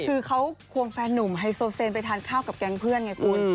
คือเขาควงแฟนนุ่มไฮโซเซนไปทานข้าวกับแก๊งเพื่อนไงคุณ